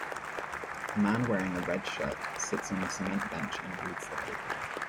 A man wearing a red shirt sits on a cement bench and reads the paper.